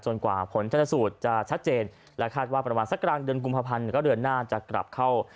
กว่าผลชนสูตรจะชัดเจนและคาดว่าประมาณสักกลางเดือนกุมภาพันธ์ก็เดือนหน้าจะกลับเข้า